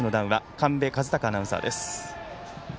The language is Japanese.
神戸和貴アナウンサーです。